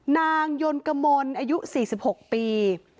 นายยนต์กมลอายุ๔๖ปี